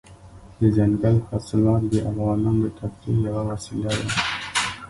دځنګل حاصلات د افغانانو د تفریح یوه وسیله ده.